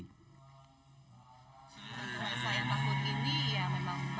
ritual saya pahut ini ya memang bagus banget ya